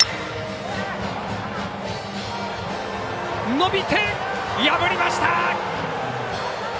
伸びて破りました。